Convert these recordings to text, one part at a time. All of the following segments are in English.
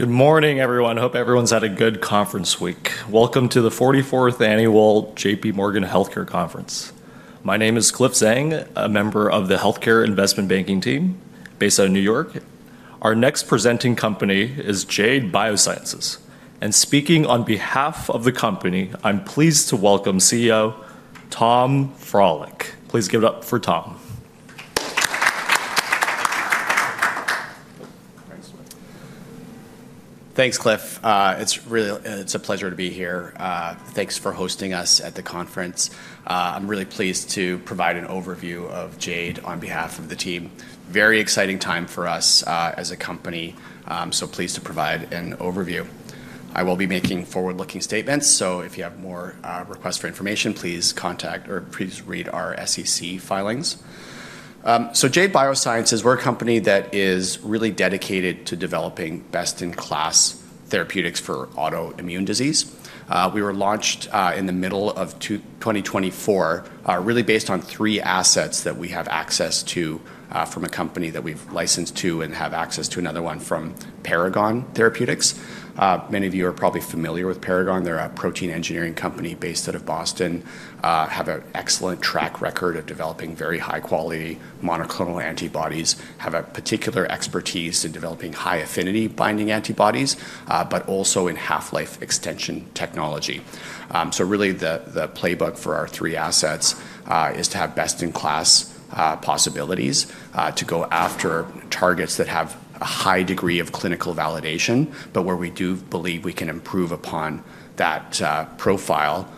Good morning, everyone. Hope everyone's had a good conference week. Welcome to the 44th Annual J.P. Morgan Healthcare Conference. My name is Cliff Zhang, a member of the Healthcare Investment Banking team based out of New York. Our next presenting company is Jade Biosciences. And speaking on behalf of the company, I'm pleased to welcome CEO Tom Frohlich. Please give it up for Tom. Thanks, Cliff. It's really a pleasure to be here. Thanks for hosting us at the conference. I'm really pleased to provide an overview of Jade on behalf of the team. Very exciting time for us as a company, so pleased to provide an overview. I will be making forward-looking statements, so if you have more requests for information, please contact or please read our SEC filings. So Jade Biosciences, we're a company that is really dedicated to developing best-in-class therapeutics for autoimmune disease. We were launched in the middle of 2024, really based on three assets that we have access to from a company that we've licensed from and have access to another one from Paragon Therapeutics. Many of you are probably familiar with Paragon. They're a protein engineering company based out of Boston, have an excellent track record of developing very high-quality monoclonal antibodies, have a particular expertise in developing high affinity binding antibodies, but also in half-life extension technology. So really, the playbook for our three assets is to have best-in-class possibilities, to go after targets that have a high degree of clinical validation, but where we do believe we can improve upon that profile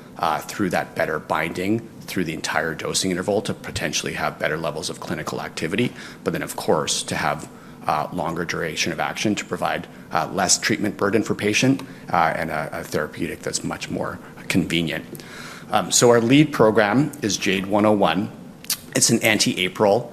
through that better binding through the entire dosing interval to potentially have better levels of clinical activity, but then, of course, to have a longer duration of action to provide less treatment burden for patients and a therapeutic that's much more convenient. So our lead program is JADE101. It's an anti-APRIL,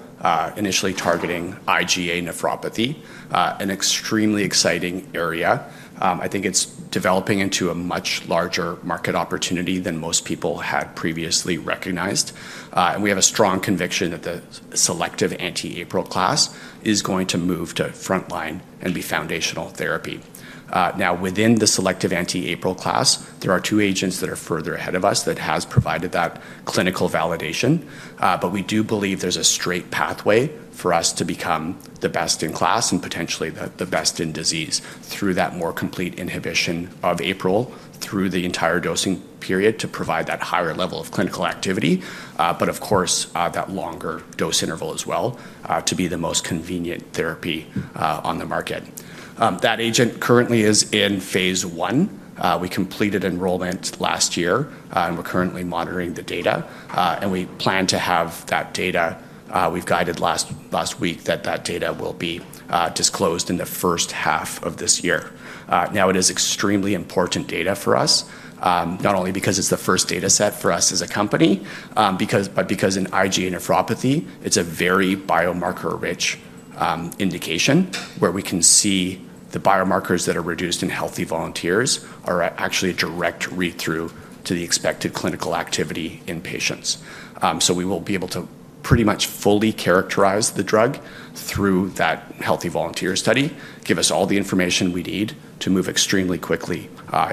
initially targeting IgA nephropathy, an extremely exciting area. I think it's developing into a much larger market opportunity than most people had previously recognized. And we have a strong conviction that the selective anti-APRIL class is going to move to frontline and be foundational therapy. Now, within the selective anti-APRIL class, there are two agents that are further ahead of us that have provided that clinical validation. But we do believe there's a straight pathway for us to become the best in class and potentially the best in disease through that more complete inhibition of APRIL through the entire dosing period to provide that higher level of clinical activity, but of course, that longer dose interval as well to be the most convenient therapy on the market. That agent currently is in phase I. We completed enrollment last year, and we're currently monitoring the data. And we plan to have that data. We've guided last week that that data will be disclosed in the first half of this year. Now, it is extremely important data for us, not only because it's the first data set for us as a company, but because in IgA nephropathy, it's a very biomarker-rich indication where we can see the biomarkers that are reduced in healthy volunteers are actually a direct read-through to the expected clinical activity in patients. We will be able to pretty much fully characterize the drug through that healthy volunteer study, give us all the information we need to move extremely quickly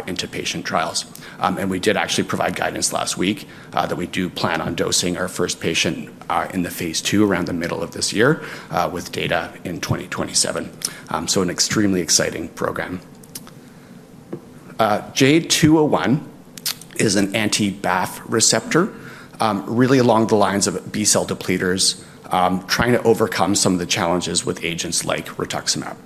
into patient trials. And we did actually provide guidance last week that we do plan on dosing our first patient in the phase II around the middle of this year with data in 2027, so an extremely exciting program. JADE201 is an anti-BAFF receptor, really along the lines of B-cell depleters, trying to overcome some of the challenges with agents like rituximab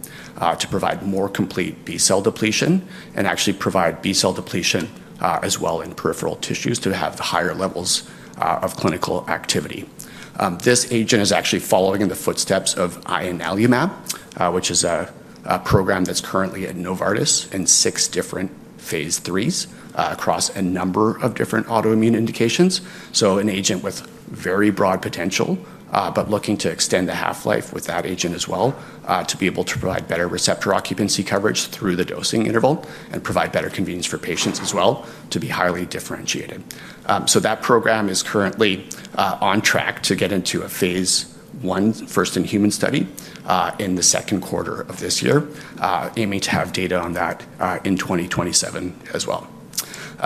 to provide more complete B-cell depletion and actually provide B-cell depletion as well in peripheral tissues to have higher levels of clinical activity. This agent is actually following in the footsteps of ianalumab, which is a program that's currently at Novartis in six different phase IIIs across a number of different autoimmune indications, so an agent with very broad potential, but looking to extend the half-life with that agent as well to be able to provide better receptor occupancy coverage through the dosing interval and provide better convenience for patients as well to be highly differentiated. So that program is currently on track to get into a phase I first-in-human study in the second quarter of this year, aiming to have data on that in 2027 as well.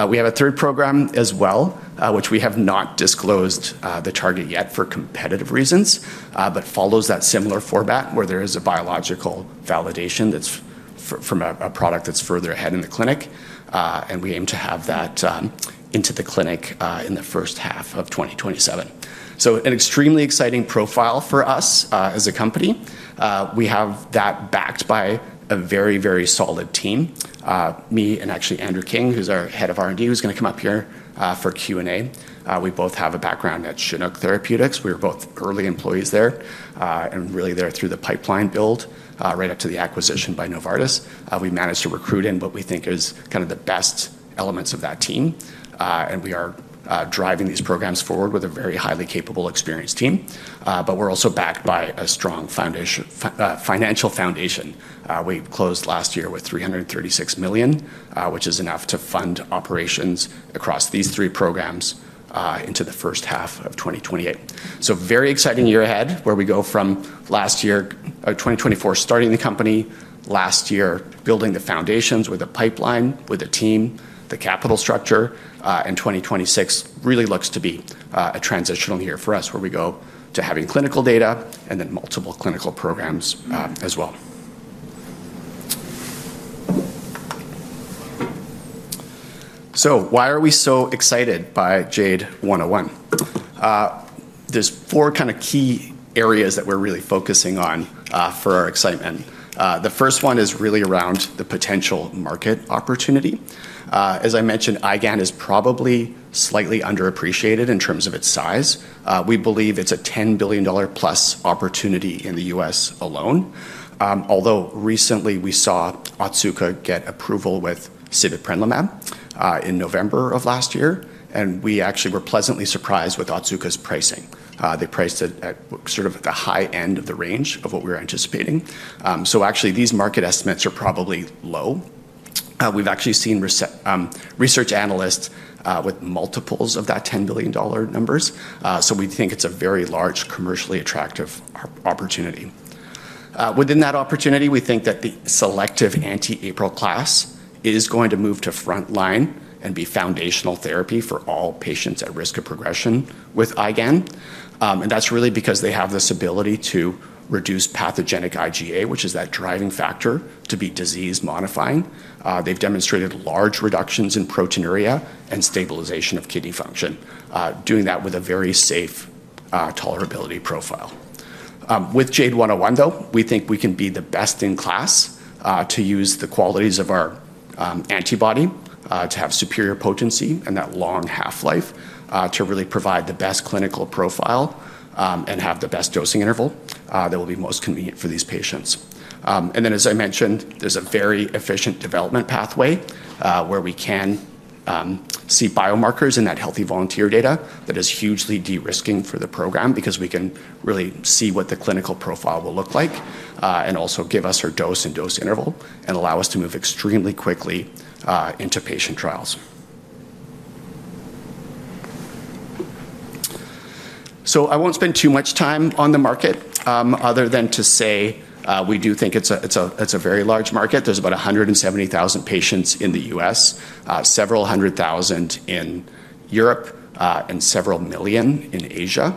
We have a third program as well, which we have not disclosed the target yet for competitive reasons, but follows that similar format where there is a biological validation that's from a product that's further ahead in the clinic. And we aim to have that into the clinic in the first half of 2027. So an extremely exciting profile for us as a company. We have that backed by a very, very solid team. Me and actually Andrew King, who's our Head of R&D, who's going to come up here for Q&A. We both have a background at Chinook Therapeutics. We were both early employees there and really there through the pipeline build right up to the acquisition by Novartis. We managed to recruit in what we think is kind of the best elements of that team, and we are driving these programs forward with a very highly capable, experienced team, but we're also backed by a strong financial foundation. We closed last year with $336 million, which is enough to fund operations across these three programs into the first half of 2028, so very exciting year ahead where we go from last year, 2024, starting the company, last year, building the foundations with a pipeline, with a team, the capital structure, and 2026 really looks to be a transitional year for us where we go to having clinical data and then multiple clinical programs as well. So why are we so excited by JADE101? are four kind of key areas that we're really focusing on for our excitement. The first one is really around the potential market opportunity. As I mentioned, IgAN is probably slightly underappreciated in terms of its size. We believe it's a $10 billion-plus opportunity in the U.S. alone. Although recently we saw Otsuka get approval with sibeprenlimab in November of last year, and we actually were pleasantly surprised with Otsuka's pricing. They priced it at sort of the high end of the range of what we were anticipating. So actually, these market estimates are probably low. We've actually seen research analysts with multiples of that $10 billion numbers. So we think it's a very large, commercially attractive opportunity. Within that opportunity, we think that the selective anti-APRIL class is going to move to frontline and be foundational therapy for all patients at risk of progression with IgAN. And that's really because they have this ability to reduce pathogenic IgA, which is that driving factor to be disease-modifying. They've demonstrated large reductions in proteinuria and stabilization of kidney function, doing that with a very safe tolerability profile. With JADE101, though, we think we can be the best in class to use the qualities of our antibody to have superior potency and that long half-life to really provide the best clinical profile and have the best dosing interval that will be most convenient for these patients. And then, as I mentioned, there's a very efficient development pathway where we can see biomarkers in that healthy volunteer data that is hugely de-risking for the program because we can really see what the clinical profile will look like and also give us our dose and dose interval and allow us to move extremely quickly into patient trials. I won't spend too much time on the market other than to say we do think it's a very large market. There's about 170,000 patients in the U.S., several hundred thousand in Europe, and several million in Asia.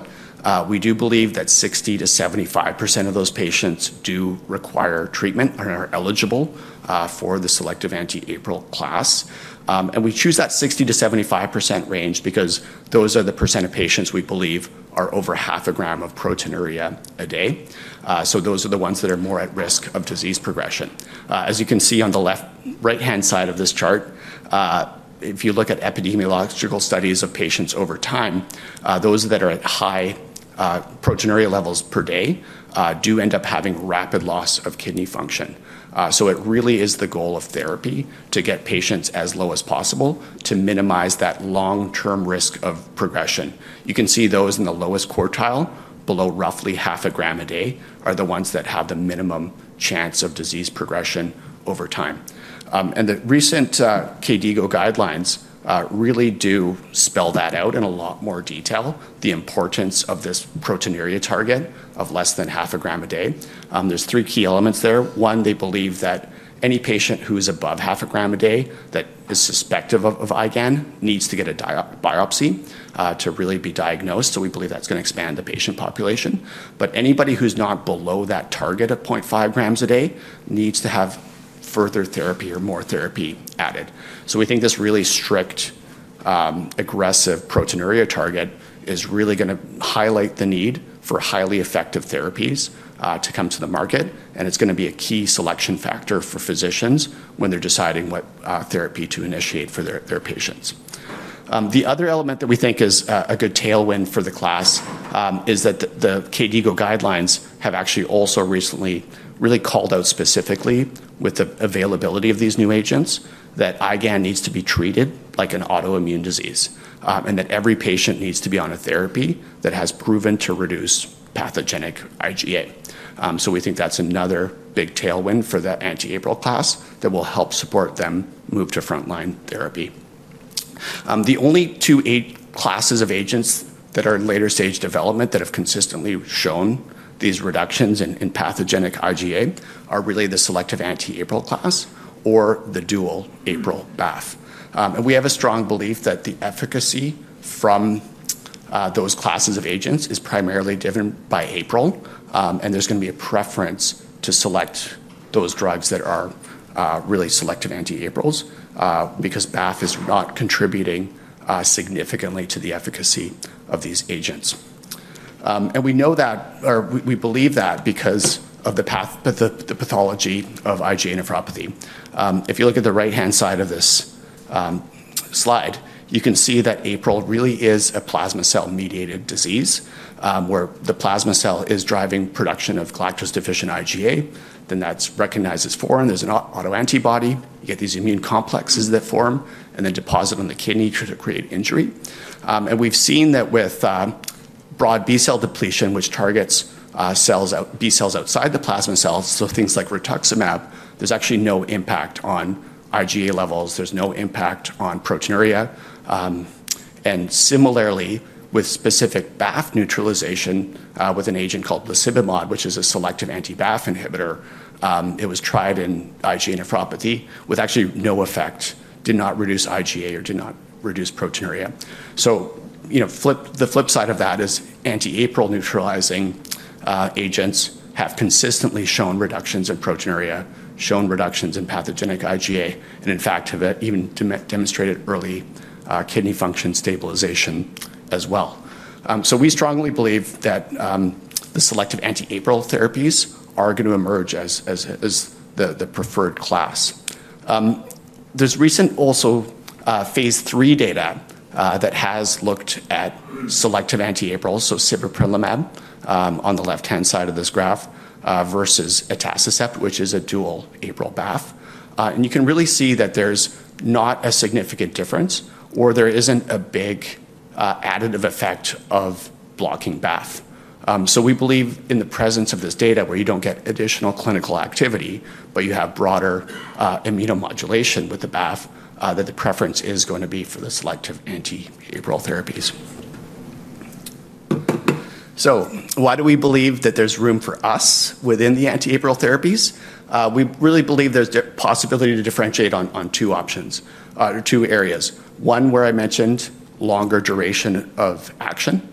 We do believe that 60%-75% of those patients do require treatment and are eligible for the selective anti-APRIL class. We choose that 60%-75% range because those are the percent of patients we believe are over half a gram of proteinuria a day. Those are the ones that are more at risk of disease progression. As you can see on the right-hand side of this chart, if you look at epidemiological studies of patients over time, those that are at high proteinuria levels per day do end up having rapid loss of kidney function. It really is the goal of therapy to get patients as low as possible to minimize that long-term risk of progression. You can see those in the lowest quartile, below roughly 0.5 gram a day, are the ones that have the minimum chance of disease progression over time. The recent KDIGO guidelines really do spell that out in a lot more detail, the importance of this proteinuria target of less than 0.5 gram a day. There's three key elements there. One, they believe that any patient who is above 0.5 gram a day that is suspected of IgAN needs to get a biopsy to really be diagnosed. We believe that's going to expand the patient population. Anybody who's not below that target of 0.5 grams a day needs to have further therapy or more therapy added. We think this really strict, aggressive proteinuria target is really going to highlight the need for highly effective therapies to come to the market. And it's going to be a key selection factor for physicians when they're deciding what therapy to initiate for their patients. The other element that we think is a good tailwind for the class is that the KDIGO guidelines have actually also recently really called out specifically with the availability of these new agents that IgAN needs to be treated like an autoimmune disease and that every patient needs to be on a therapy that has proven to reduce pathogenic IgA. So we think that's another big tailwind for that anti-APRIL class that will help support them move to frontline therapy. The only two classes of agents that are in later stage development that have consistently shown these reductions in pathogenic IgA are really the selective anti-APRIL class or the dual APRIL BAFF. And we have a strong belief that the efficacy from those classes of agents is primarily driven by APRIL. And there's going to be a preference to select those drugs that are really selective anti-APRILs because BAFF is not contributing significantly to the efficacy of these agents. And we know that or we believe that because of the pathology of IgA nephropathy. If you look at the right-hand side of this slide, you can see that APRIL really is a plasma cell-mediated disease where the plasma cell is driving production of galactose-deficient IgA. Then that's recognized as foreign. There's an autoantibody. You get these immune complexes that form and then deposit on the kidney to create injury. And we've seen that with broad B-cell depletion, which targets B cells outside the plasma cells, so things like Rituximab, there's actually no impact on IgA levels. There's no impact on proteinuria. And similarly, with specific BAFF neutralization with an agent called belimumab, which is a selective anti-BAFF inhibitor, it was tried in IgA nephropathy with actually no effect, did not reduce IgA or did not reduce proteinuria. So the flip side of that is anti-APRIL neutralizing agents have consistently shown reductions in proteinuria, shown reductions in pathogenic IgA, and in fact have even demonstrated early kidney function stabilization as well. So we strongly believe that the selective anti-APRIL therapies are going to emerge as the preferred class. There's recent also phase III data that has looked at selective anti-APRIL, so sibeprenlimab on the left-hand side of this graph versus atacicept, which is a dual APRIL BAFF. You can really see that there's not a significant difference or there isn't a big additive effect of blocking BAFF. We believe in the presence of this data where you don't get additional clinical activity, but you have broader immunomodulation with the BAFF, that the preference is going to be for the selective anti-APRIL therapies. Why do we believe that there's room for us within the anti-APRIL therapies? We really believe there's a possibility to differentiate on two options, two areas. One where I mentioned longer duration of action,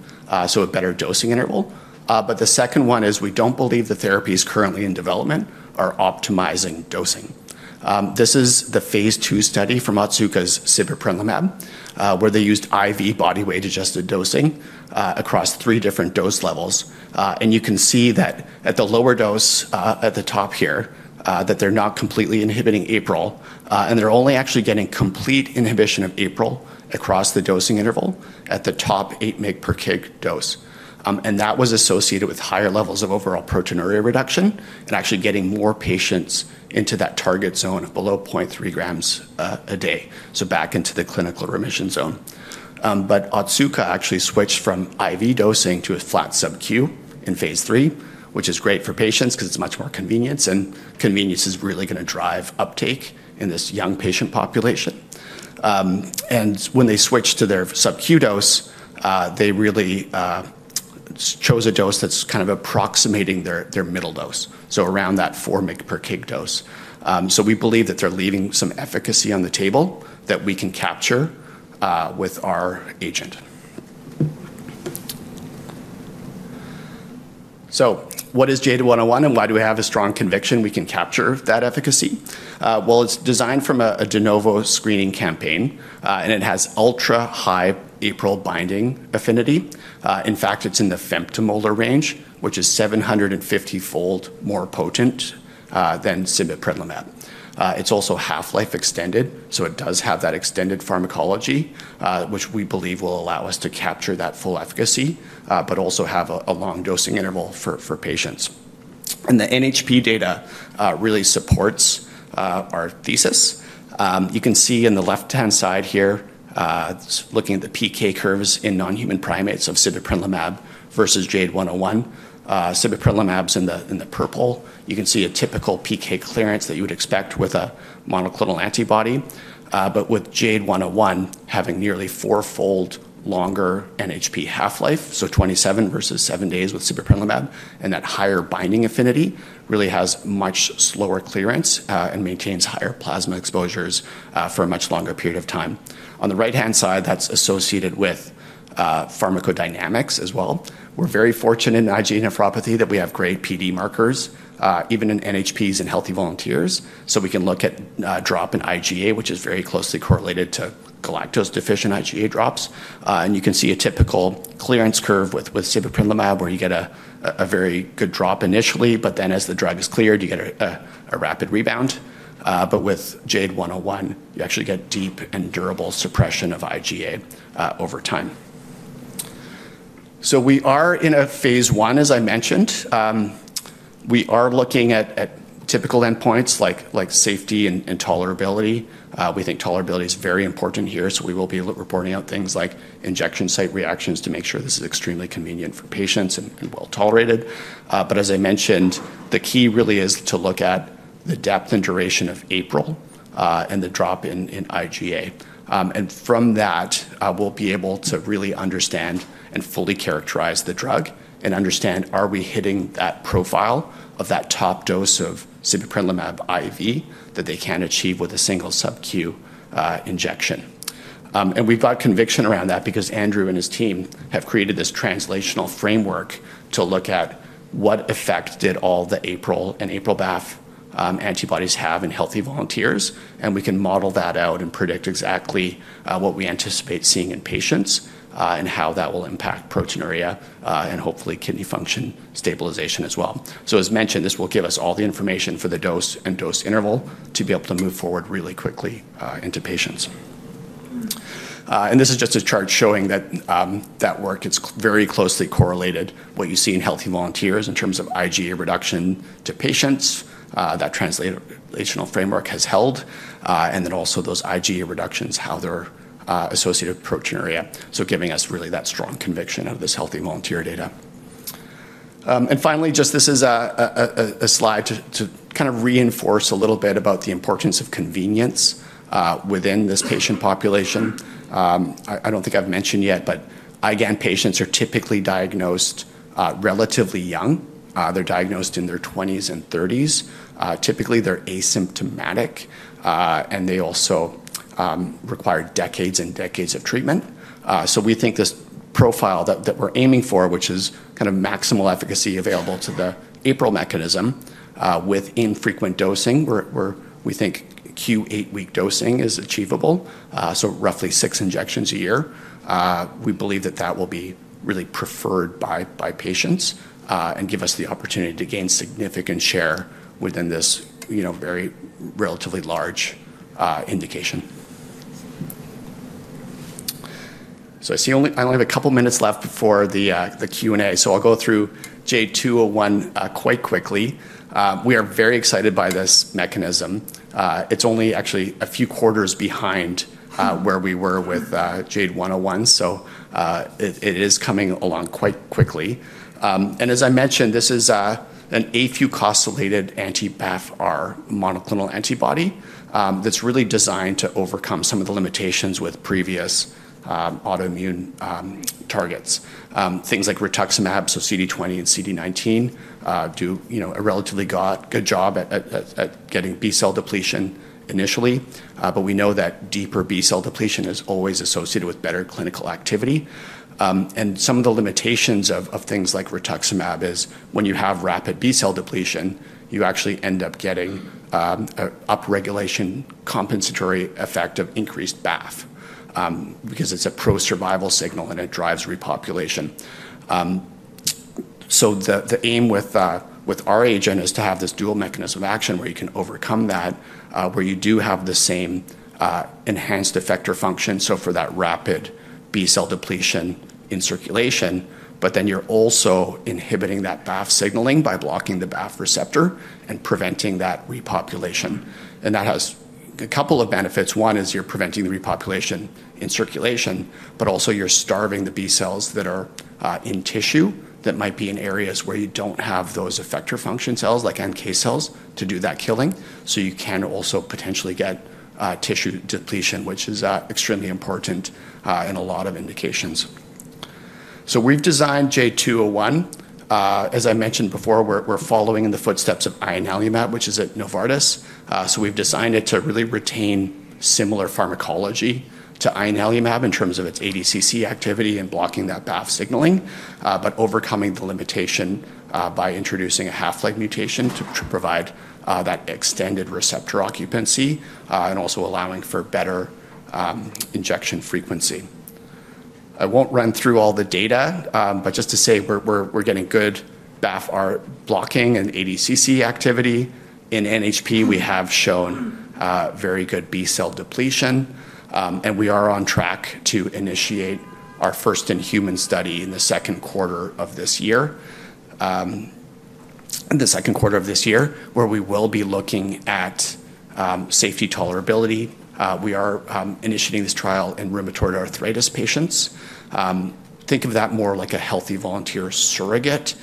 so a better dosing interval. The second one is we don't believe the therapies currently in development are optimizing dosing. This is the phase II study from Otsuka's sibeprenlimab where they used IV body weight-adjusted dosing across three different dose levels. You can see that at the lower dose at the top here that they're not completely inhibiting APRIL. They're only actually getting complete inhibition of APRIL across the dosing interval at the top eight mg/kg dose. That was associated with higher levels of overall proteinuria reduction and actually getting more patients into that target zone of below 0.3 grams a day, so back into the clinical remission zone. But Otsuka actually switched from IV dosing to a flat SubQ in phase III, which is great for patients because it's much more convenience. Convenience is really going to drive uptake in this young patient population. When they switched to their SubQ dose, they really chose a dose that's kind of approximating their middle dose, so around that four mg/kg dose. We believe that they're leaving some efficacy on the table that we can capture with our agent. What is JADE101 and why do we have a strong conviction we can capture that efficacy? It's designed from a de novo screening campaign, and it has ultra-high APRIL binding affinity. In fact, it's in the femtomolar range, which is 750-fold more potent than sibeprenlimab. It's also half-life extended, so it does have that extended pharmacology, which we believe will allow us to capture that full efficacy, but also have a long dosing interval for patients. The NHP data really supports our thesis. You can see in the left-hand side here, looking at the PK curves in non-human primates of sibeprenlimab versus JADE101. Sibeprenlimab's in the purple. You can see a typical PK clearance that you would expect with a monoclonal antibody. But with JADE101 having nearly four-fold longer NHP half-life, so 27 versus 7 days with sibeprenlimab, and that higher binding affinity really has much slower clearance and maintains higher plasma exposures for a much longer period of time. On the right-hand side, that's associated with pharmacodynamics as well. We're very fortunate in IgA nephropathy that we have great PD markers, even in NHPs and healthy volunteers, so we can look at a drop in IgA, which is very closely correlated to galactose-deficient IgA drops, and you can see a typical clearance curve with sibeprenlimab where you get a very good drop initially, but then as the drug is cleared, you get a rapid rebound. But with JADE101, you actually get deep and durable suppression of IgA over time, so we are in a phase I, as I mentioned. We are looking at typical endpoints like safety and tolerability. We think tolerability is very important here. So we will be reporting out things like injection site reactions to make sure this is extremely convenient for patients and well tolerated. But as I mentioned, the key really is to look at the depth and duration of APRIL and the drop in IgA. And from that, we'll be able to really understand and fully characterize the drug and understand, are we hitting that profile of that top dose of sibeprenlimab IV that they can achieve with a single SubQ injection? And we've got conviction around that because Andrew and his team have created this translational framework to look at what effect did all the APRIL and BAFF antibodies have in healthy volunteers. And we can model that out and predict exactly what we anticipate seeing in patients and how that will impact proteinuria and hopefully kidney function stabilization as well. As mentioned, this will give us all the information for the dose and dose interval to be able to move forward really quickly into patients. And this is just a chart showing that that work is very closely correlated, what you see in healthy volunteers in terms of IgA reduction to patients, that translational framework has held, and then also those IgA reductions, how they're associated with proteinuria, so giving us really that strong conviction of this healthy volunteer data. And finally, just this is a slide to kind of reinforce a little bit about the importance of convenience within this patient population. I don't think I've mentioned yet, but IgAN patients are typically diagnosed relatively young. They're diagnosed in their 20s and 30s. Typically, they're asymptomatic, and they also require decades and decades of treatment. We think this profile that we're aiming for, which is kind of maximal efficacy available to the APRIL mechanism with infrequent dosing, we think Q8 week dosing is achievable, so roughly six injections a year. We believe that that will be really preferred by patients and give us the opportunity to gain significant share within this very relatively large indication. So I see I only have a couple of minutes left before the Q&A, so I'll go through JADE201 quite quickly. We are very excited by this mechanism. It's only actually a few quarters behind where we were with JADE101, so it is coming along quite quickly. As I mentioned, this is an afucosylated anti-BAFF-R monoclonal antibody that's really designed to overcome some of the limitations with previous autoimmune targets. Things like rituximab, so CD20 and CD19 do a relatively good job at getting B-cell depletion initially. But we know that deeper B-cell depletion is always associated with better clinical activity. And some of the limitations of things like rituximab is when you have rapid B-cell depletion, you actually end up getting an upregulation compensatory effect of increased BAFF because it's a pro-survival signal and it drives repopulation. So the aim with our agent is to have this dual mechanism of action where you can overcome that, where you do have the same enhanced effector function, so for that rapid B-cell depletion in circulation, but then you're also inhibiting that BAFF signaling by blocking the BAFF receptor and preventing that repopulation. And that has a couple of benefits. One is you're preventing the repopulation in circulation, but also you're starving the B-cells that are in tissue that might be in areas where you don't have those effector function cells like NK cells to do that killing. So you can also potentially get tissue depletion, which is extremely important in a lot of indications. So we've designed JADE201. As I mentioned before, we're following in the footsteps of ianalumab, which is at Novartis. So we've designed it to really retain similar pharmacology to ianalumab in terms of its ADCC activity and blocking that BAFF signaling, but overcoming the limitation by introducing a half-life mutation to provide that extended receptor occupancy and also allowing for better injection frequency. I won't run through all the data, but just to say we're getting good BAFF-R blocking and ADCC activity. In NHP, we have shown very good B-cell depletion, and we are on track to initiate our first in-human study in the second quarter of this year. In the second quarter of this year, where we will be looking at safety tolerability, we are initiating this trial in Rheumatoid Arthritis patients. Think of that more like a healthy volunteer surrogate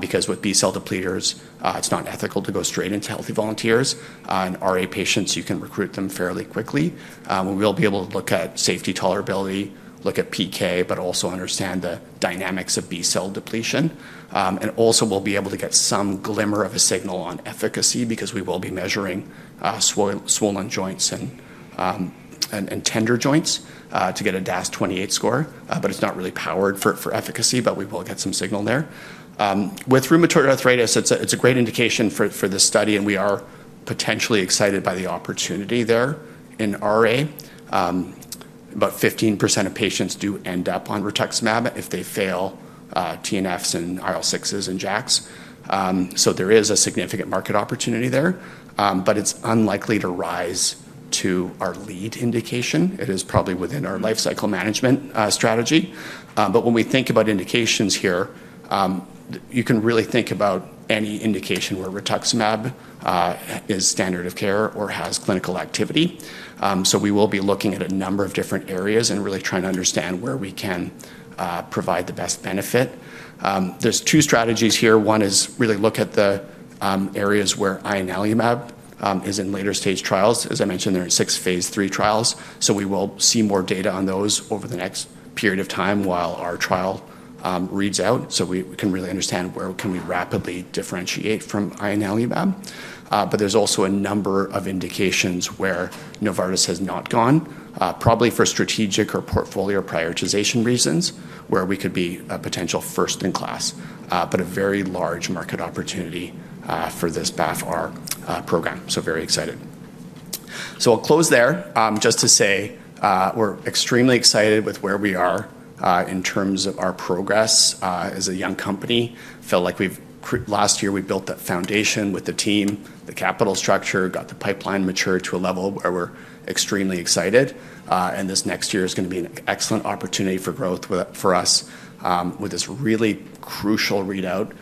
because with B-cell depleters, it's not ethical to go straight into healthy volunteers. In RA patients, you can recruit them fairly quickly. We'll be able to look at safety tolerability, look at PK, but also understand the dynamics of B-cell depletion, and also, we'll be able to get some glimmer of a signal on efficacy because we will be measuring swollen joints and tender joints to get a DAS28 score, but it's not really powered for efficacy, but we will get some signal there. With rheumatoid arthritis, it's a great indication for this study, and we are potentially excited by the opportunity there in RA. About 15% of patients do end up on rituximab if they fail TNFs and IL-6s and JAKs, so there is a significant market opportunity there, but it's unlikely to rise to our lead indication. It is probably within our life cycle management strategy, but when we think about indications here, you can really think about any indication where rituximab is standard of care or has clinical activity, so we will be looking at a number of different areas and really trying to understand where we can provide the best benefit. There's two strategies here. One is really look at the areas where ianalumab is in later stage trials. As I mentioned, they're in six phase III trials. So we will see more data on those over the next period of time while our trial reads out so we can really understand where can we rapidly differentiate from ianalumab. But there's also a number of indications where Novartis has not gone, probably for strategic or portfolio prioritization reasons where we could be a potential first in class, but a very large market opportunity for this BAFF-R program. So very excited. So I'll close there just to say we're extremely excited with where we are in terms of our progress as a young company. I feel like last year we built that foundation with the team, the capital structure, got the pipeline mature to a level where we're extremely excited. And this next year is going to be an excellent opportunity for growth for us with this really crucial readout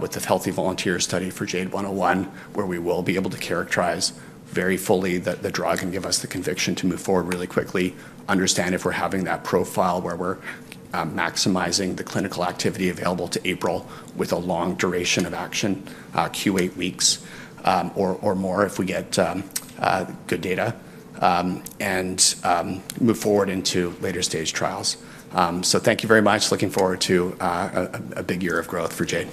with the healthy volunteer study for JADE101, where we will be able to characterize very fully the drug and give us the conviction to move forward really quickly, understand if we're having that profile where we're maximizing the clinical activity available to APRIL with a long duration of action, Q8 weeks or more if we get good data, and move forward into later stage trials. So thank you very much. Looking forward to a big year of growth for Jade.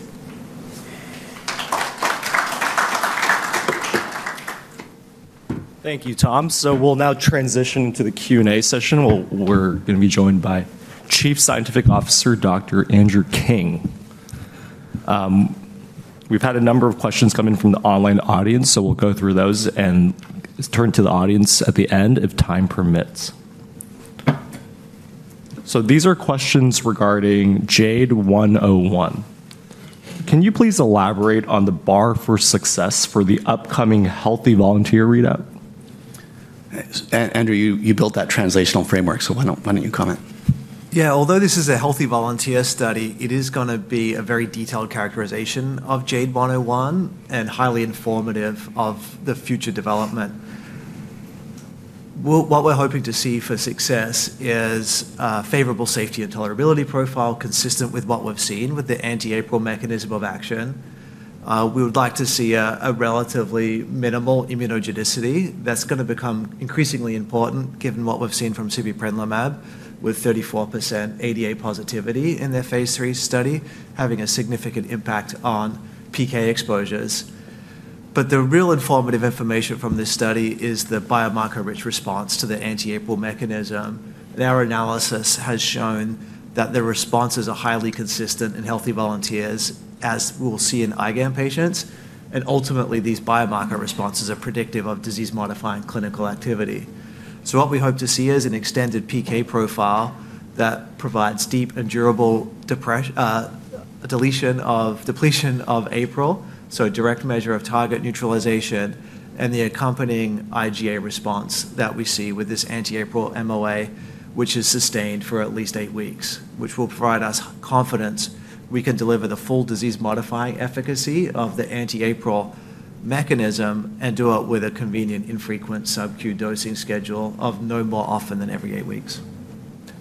Thank you, Tom. So we'll now transition to the Q&A session. We're going to be joined by Chief Scientific Officer Dr. Andrew King. We've had a number of questions coming from the online audience, so we'll go through those and turn to the audience at the end if time permits. So these are questions regarding JADE101. Can you please elaborate on the bar for success for the upcoming healthy volunteer readout? Andrew, you built that translational framework, so why don't you comment? Yeah, although this is a healthy volunteer study, it is going to be a very detailed characterization of JADE101 and highly informative of the future development. What we're hoping to see for success is a favorable safety and tolerability profile consistent with what we've seen with the anti-APRIL mechanism of action. We would like to see a relatively minimal immunogenicity. That's going to become increasingly important given what we've seen from sibeprenlimab with 34% ADA positivity in their phase III study, having a significant impact on PK exposures. But the real informative information from this study is the biomarker-rich response to the anti-APRIL mechanism. And our analysis has shown that the responses are highly consistent in healthy volunteers, as we'll see in IgAN patients. And ultimately, these biomarker responses are predictive of disease-modifying clinical activity. So what we hope to see is an extended PK profile that provides deep and durable deletion of APRIL, so a direct measure of target neutralization and the accompanying IgA response that we see with this anti-APRIL MOA, which is sustained for at least eight weeks, which will provide us confidence we can deliver the full disease-modifying efficacy of the anti-APRIL mechanism and do it with a convenient infrequent SubQ dosing schedule of no more often than every eight weeks.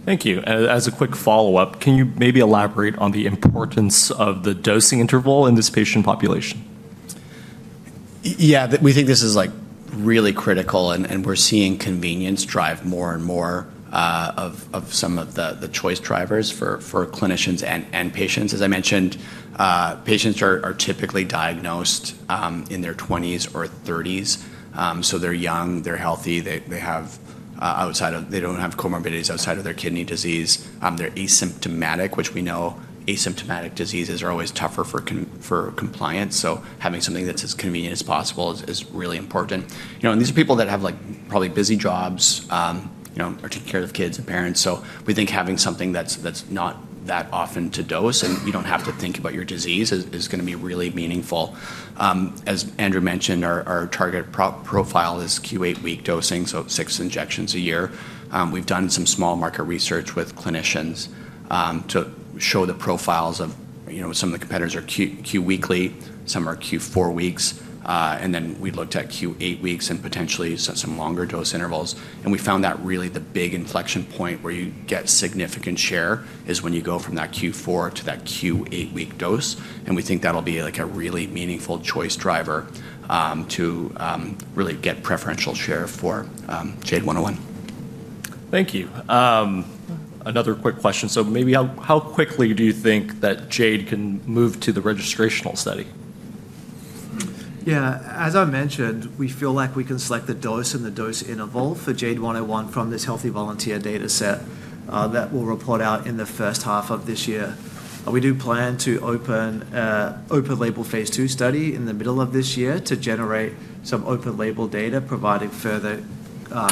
Thank you. As a quick follow-up, can you maybe elaborate on the importance of the dosing interval in this patient population? Yeah, we think this is really critical, and we're seeing convenience drive more and more of some of the choice drivers for clinicians and patients. As I mentioned, patients are typically diagnosed in their 20s or 30s, so they're young, they're healthy, they don't have comorbidities outside of their kidney disease. They're asymptomatic, which we know asymptomatic diseases are always tougher for compliance. So having something that's as convenient as possible is really important. And these are people that have probably busy jobs or taking care of kids and parents. So we think having something that's not that often to dose and you don't have to think about your disease is going to be really meaningful. As Andrew mentioned, our target profile is Q8 week dosing, so six injections a year. We've done some small market research with clinicians to show the profiles of some of the competitors are Q weekly, some are Q4 weeks. And then we looked at Q8 weeks and potentially some longer dose intervals. And we found that really the big inflection point where you get significant share is when you go from that Q4 to that Q8 week dose. And we think that'll be a really meaningful choice driver to really get preferential share for JADE101. Thank you. Another quick question. So maybe how quickly do you think that Jade can move to the registrational study? Yeah, as I mentioned, we feel like we can select the dose and the dose interval for JADE101 from this healthy volunteer data set that will report out in the first half of this year. We do plan to open label phase two study in the middle of this year to generate some open label data, providing further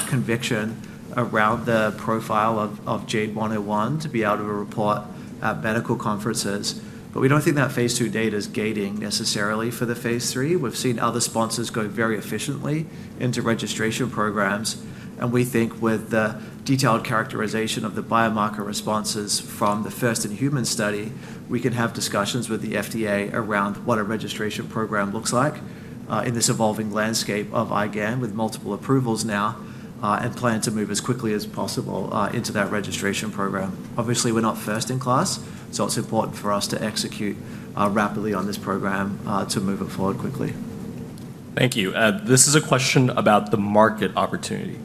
conviction around the profile of JADE101 to be able to report at medical conferences. But we don't think that phase II data is gating necessarily for the phase III. We've seen other sponsors go very efficiently into registration programs. And we think with the detailed characterization of the biomarker responses from the first-in-human study, we can have discussions with the FDA around what a registration program looks like in this evolving landscape of IgAN with multiple approvals now and plan to move as quickly as possible into that registration program. Obviously, we're not first in class, so it's important for us to execute rapidly on this program to move it forward quickly. Thank you. This is a question about the market opportunity.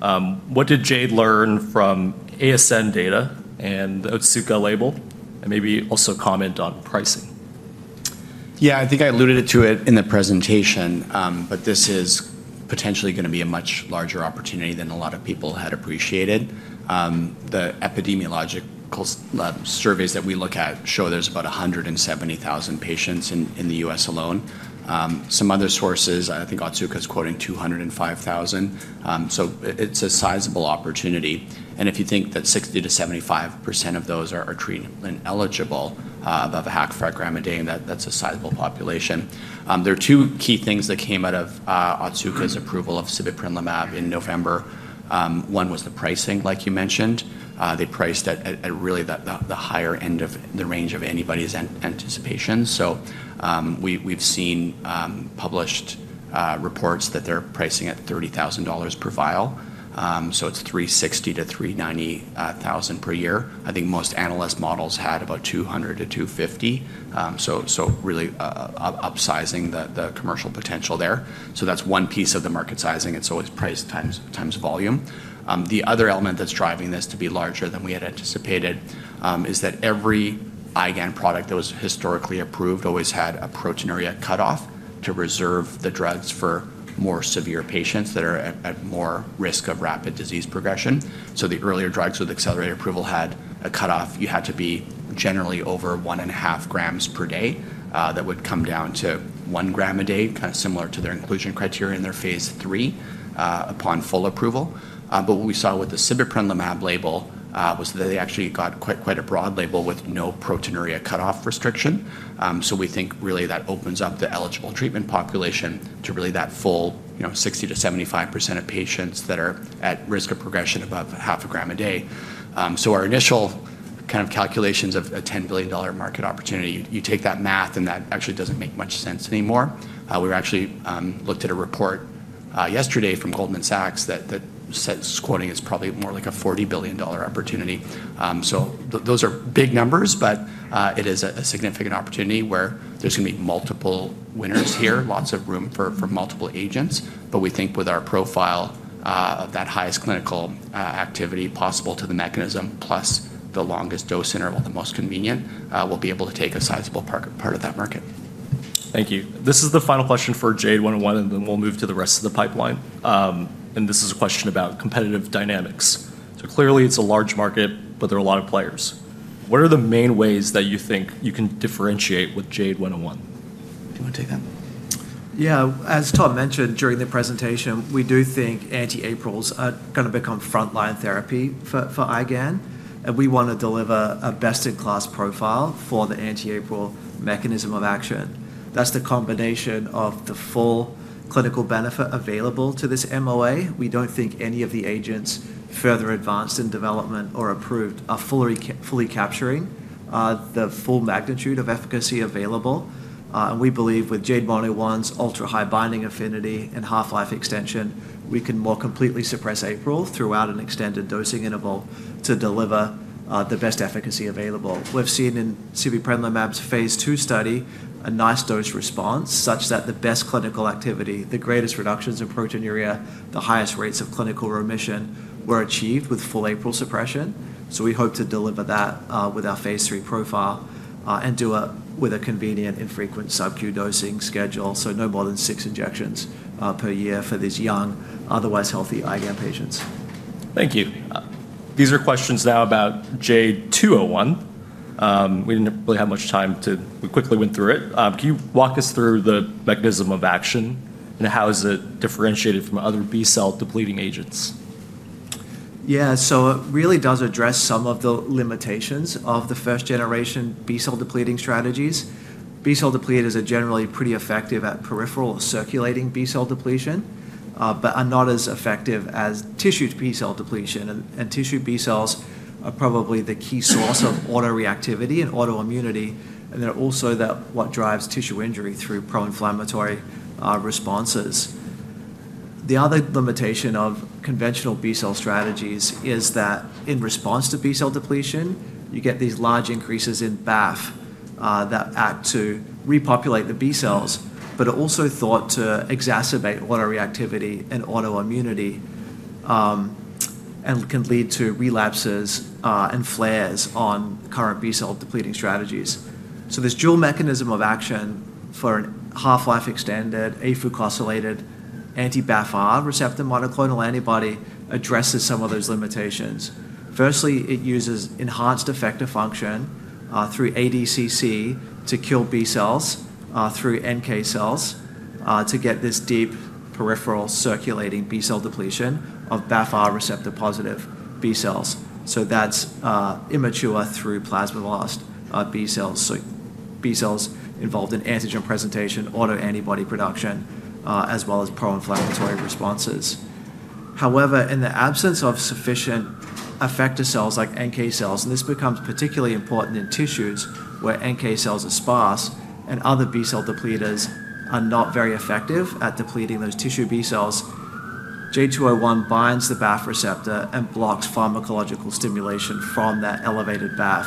What did Jade learn from ASN data and the Otsuka label? And maybe also comment on pricing. Yeah, I think I alluded to it in the presentation, but this is potentially going to be a much larger opportunity than a lot of people had appreciated. The epidemiological surveys that we look at show there's about 170,000 patients in the U.S. alone. Some other sources, I think Otsuka is quoting 205,000. So it's a sizable opportunity. And if you think that 60%-75% of those are treatment eligible above 0.5 gram proteinuria, that's a sizable population. There are two key things that came out of Otsuka's approval of sibeprenlimab in November. One was the pricing, like you mentioned. They priced at really the higher end of the range of anybody's anticipation. So we've seen published reports that they're pricing at $30,000 per vial. It's 360,000-390,000 per year. I think most analyst models had about 200,000-250,000. So really upsizing the commercial potential there. So that's one piece of the market sizing. It's always price times volume. The other element that's driving this to be larger than we had anticipated is that every IgAN product that was historically approved always had a proteinuria cutoff to reserve the drugs for more severe patients that are at more risk of rapid disease progression. So the earlier drugs with accelerated approval had a cutoff. You had to be generally over 1.5 grams per day. That would come down to 1 gram a day, kind of similar to their inclusion criteria in their phase III upon full approval. But what we saw with the Sibeprenlimab label was that they actually got quite a broad label with no proteinuria cutoff restriction. So we think really that opens up the eligible treatment population to really that full 60%-75% of patients that are at risk of progression above half a gram a day. So our initial kind of calculations of a $10 billion market opportunity, you take that math and that actually doesn't make much sense anymore. We actually looked at a report yesterday from Goldman Sachs that says, quoting, it's probably more like a $40 billion opportunity. So those are big numbers, but it is a significant opportunity where there's going to be multiple winners here, lots of room for multiple agents. But we think with our profile of that highest clinical activity possible to the mechanism, plus the longest dose interval, the most convenient, we'll be able to take a sizable part of that market. Thank you. This is the final question for JADE101, and then we'll move to the rest of the pipeline. And this is a question about competitive dynamics. So clearly it's a large market, but there are a lot of players. What are the main ways that you think you can differentiate with JADE101? Do you want to take that? Yeah, as Tom mentioned during the presentation, we do think anti-APRILs are going to become frontline therapy for IgAN. And we want to deliver a best-in-class profile for the anti-APRIL mechanism of action. That's the combination of the full clinical benefit available to this MOA. We don't think any of the agents further advanced in development or approved are fully capturing the full magnitude of efficacy available. And we believe with JADE101's ultra high binding affinity and half-life extension, we can more completely suppress APRIL throughout an extended dosing interval to deliver the best efficacy available. We've seen in sibeprenlimab's phase II study a nice dose response such that the best clinical activity, the greatest reductions in proteinuria, the highest rates of clinical remission were achieved with full APRIL suppression. We hope to deliver that with our phase III profile and do it with a convenient infrequent SubQ dosing schedule. So no more than six injections per year for these young, otherwise healthy IgAN patients. Thank you. These are questions now about JADE201. We didn't really have much time. We quickly went through it. Can you walk us through the mechanism of action and how is it differentiated from other B-cell depleting agents? Yeah, so it really does address some of the limitations of the first-generation B-cell depleting strategies. B-cell deplete is generally pretty effective at peripheral circulating B-cell depletion, but not as effective as tissue B-cell depletion. And tissue B-cells are probably the key source of auto reactivity and autoimmunity. And they're also what drives tissue injury through pro-inflammatory responses. The other limitation of conventional B-cell strategies is that in response to B-cell depletion, you get these large increases in BAFF that act to repopulate the B-cells, but are also thought to exacerbate auto reactivity and autoimmunity and can lead to relapses and flares on current B-cell depleting strategies. So this dual mechanism of action for a half-life extended APRIL-glycosylated anti-BAFF-R receptor monoclonal antibody addresses some of those limitations. Firstly, it uses enhanced effector function through ADCC to kill B-cells through NK cells to get this deep peripheral circulating B-cell depletion of BAFF-R receptor positive B-cells. So that's immature, through plasma cells, B-cells involved in antigen presentation, autoantibody production, as well as pro-inflammatory responses. However, in the absence of sufficient effector cells like NK cells, and this becomes particularly important in tissues where NK cells are sparse and other B-cell depleters are not very effective at depleting those tissue B-cells, JADE201 binds the BAFF receptor and blocks pharmacological stimulation from that elevated BAFF.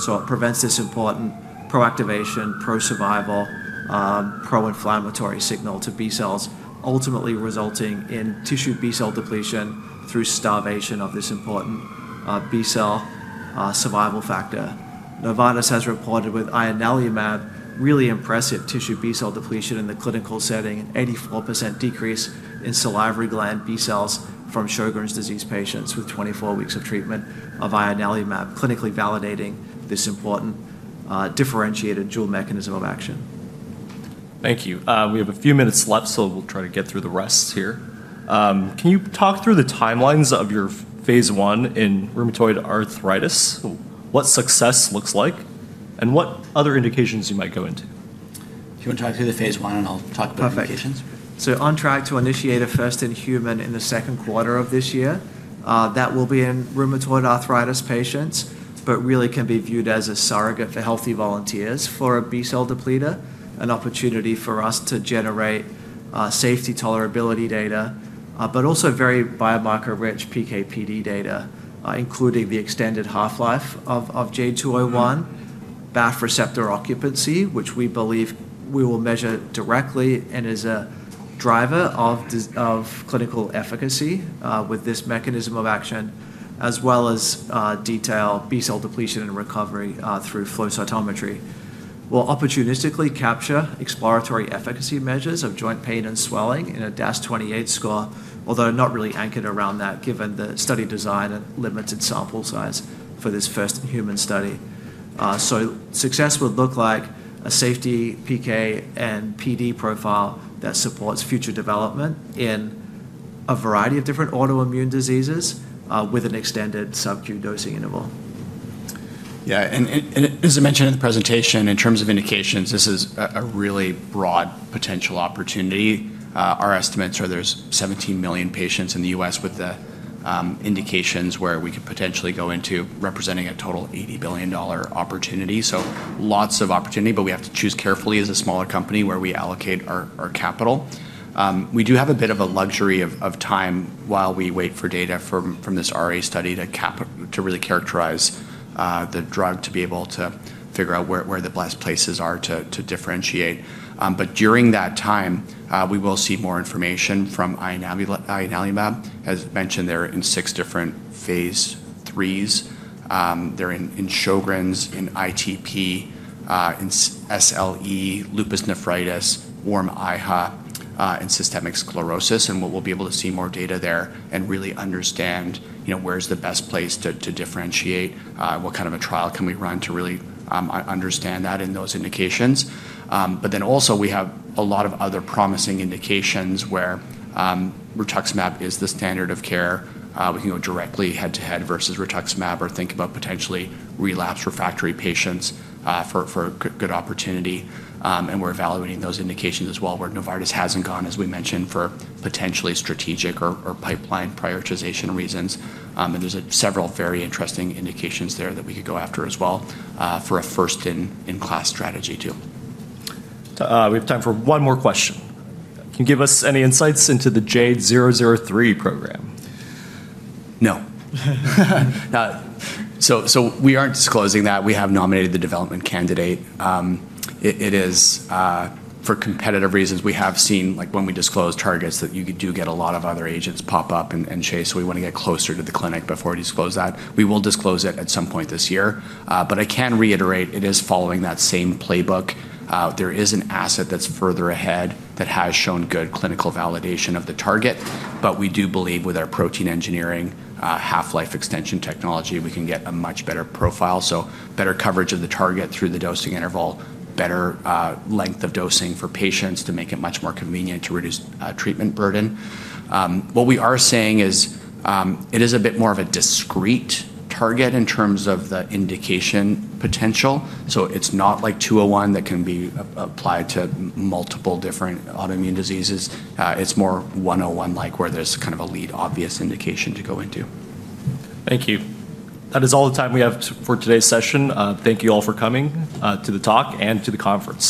So it prevents this important pro-activation, pro-survival, pro-inflammatory signal to B-cells, ultimately resulting in tissue B-cell depletion through starvation of this important B-cell survival factor. Novartis has reported with ianalumab really impressive tissue B-cell depletion in the clinical setting, an 84% decrease in salivary gland B-cells from Sjögren's disease patients with 24 weeks of treatment of ianalumab, clinically validating this important differentiated dual mechanism of action. Thank you. We have a few minutes left, so we'll try to get through the rest here. Can you talk through the timelines of your phase I in rheumatoid arthritis, what success looks like, and what other indications you might go into? If you want to talk through the phase one and I'll talk about the indications. So on track to initiate a first-in-human in the second quarter of this year. That will be in rheumatoid arthritis patients, but really can be viewed as a surrogate for healthy volunteers for a B-cell depleter, an opportunity for us to generate safety tolerability data, but also very biomarker-rich PK/PD data, including the extended half-life of JADE201, BAFF receptor occupancy, which we believe we will measure directly and is a driver of clinical efficacy with this mechanism of action, as well as detailed B-cell depletion and recovery through flow cytometry. We'll opportunistically capture exploratory efficacy measures of joint pain and swelling in a DAS28 score, although not really anchored around that given the study design and limited sample size for this first in-human study. So success would look like a safety PK and PD profile that supports future development in a variety of different autoimmune diseases with an extended SubQ dosing interval. Yeah, and as I mentioned in the presentation, in terms of indications, this is a really broad potential opportunity. Our estimates are there's 17 million patients in the U.S. with the indications where we could potentially go into representing a total $80 billion opportunity. So lots of opportunity, but we have to choose carefully as a smaller company where we allocate our capital. We do have a bit of a luxury of time while we wait for data from this RA study to really characterize the drug to be able to figure out where the best places are to differentiate. But during that time, we will see more information from ianalumab. As mentioned, they're in six different phase IIIs. They're in Sjögren's, in ITP, in SLE, lupus nephritis, warm AIHA, and systemic sclerosis. We'll be able to see more data there and really understand where's the best place to differentiate, what kind of a trial can we run to really understand that in those indications. But then also we have a lot of other promising indications where rituximab is the standard of care. We can go directly head to head versus rituximab or think about potentially relapse refractory patients for a good opportunity. And we're evaluating those indications as well where Novartis hasn't gone, as we mentioned, for potentially strategic or pipeline prioritization reasons. And there's several very interesting indications there that we could go after as well for a first-in-class strategy too. We have time for one more question. Can you give us any insights into the JADE-003 program? No. We aren't disclosing that. We have nominated the development candidate. It is for competitive reasons. We have seen when we disclose targets that you do get a lot of other agents pop up and chase. So we want to get closer to the clinic before we disclose that. We will disclose it at some point this year. But I can reiterate, it is following that same playbook. There is an asset that's further ahead that has shown good clinical validation of the target. But we do believe with our protein engineering, half-life extension technology, we can get a much better profile. So better coverage of the target through the dosing interval, better length of dosing for patients to make it much more convenient to reduce treatment burden. What we are saying is it is a bit more of a discrete target in terms of the indication potential. So it's not like 201 that can be applied to multiple different autoimmune diseases. It's more 101-like where there's kind of a lead obvious indication to go into. Thank you. That is all the time we have for today's session. Thank you all for coming to the talk and to the conference.